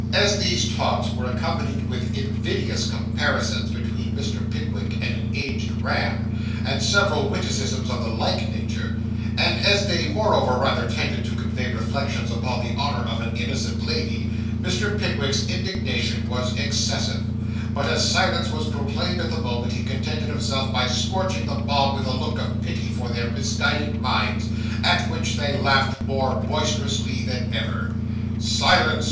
As these taunts were accompanied with invidious comparisons between Mr. Pickwick and an aged ram, and several witticisms of the like nature; and as they moreover rather tended to convey reflections upon the honour of an innocent lady, Mr. Pickwick's indignation was excessive; but as silence was proclaimed at the moment, he contented himself by scorching the mob with a look of pity for their misguided minds, at which they laughed more boisterously than ever. 'Silence!